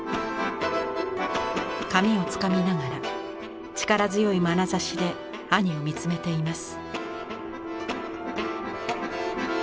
髪をつかみながら力強いまなざしで兄を見つめています。